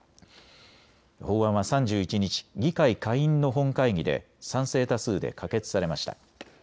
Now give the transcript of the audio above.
法案は３１日、議会下院の本会議で賛成多数で可決されました。